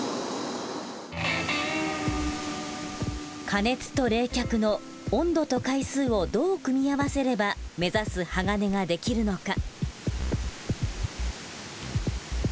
加熱と冷却の温度と回数をどう組み合わせれば目指す鋼が出来るのか。